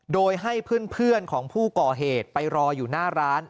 โดยให้เพื่อนของผู้ก่อเหตุไปรออยู่หน้าร้าน